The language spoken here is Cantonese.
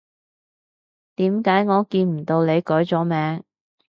點解我見唔到你改咗名？